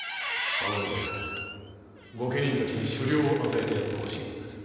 尼御台から御家人たちに所領を与えてやってほしいのです。